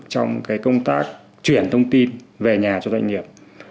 trong công tác chuyển thông tin về nhà cho doanh nghiệp